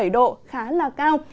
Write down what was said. hai mươi bảy độ khá là cao